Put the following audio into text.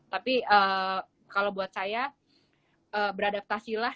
tapi kalau buat saya beradaptasilah